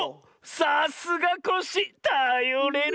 さすがコッシーたよれる。